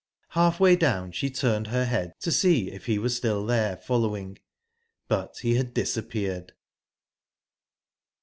Halfway down, she turned her head to see if he were still there following, but he had disappeared.